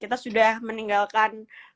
kita sudah meninggalkan